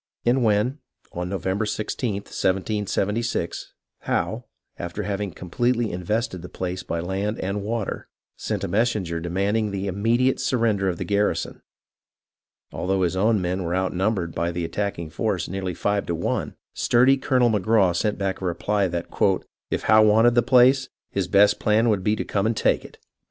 And when, on November i6th, 1776, Howe, after having completely invested the place by land and water, sent a messenger demanding the immediate surrender of the garrison, although his own men were outnumbered by the attack ing force nearly five to one, sturdy Colonel Magraw sent back a reply that " if Howe wanted the place, his best plan would be to come and take it